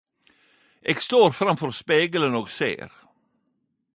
Eg står framfor spegelen og ser